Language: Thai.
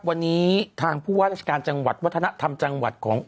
วันนี้ทางผู้ว่าราชการจังหวัดวัฒนธรรมจังหวัดของ